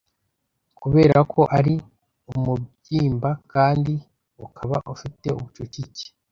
Kubera ko ari umubyimba kandi ukaba ufite ubucucike